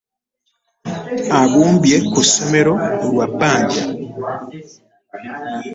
Agumbye ku ssomore lwa bbanja.